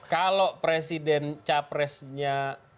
kalau presiden capresnya